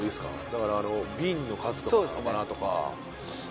だから瓶の数とかなのかなとかそうですね